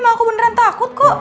kalau aku beneran takut kok